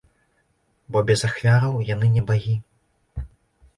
Бо без ахвяраў яны не багі.